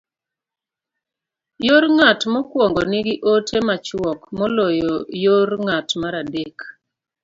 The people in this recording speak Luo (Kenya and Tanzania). Yor ng'at mokwongo nigi ote machuok moloyo yor ng'at mar adek.